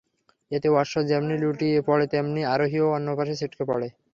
এতে অশ্ব যেমনি লুটিয়ে পড়ে তেমনি আরোহীও অন্য পাশে ছিটকে পড়ে।